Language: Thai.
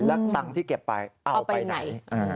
แล้วตังค์ที่เก็บไปเอาไปไหน